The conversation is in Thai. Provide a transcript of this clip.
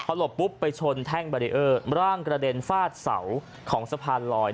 หลบปุ๊บไปชนแท่งบารีเออร์ร่างกระเด็นฟาดเสาของสะพานลอย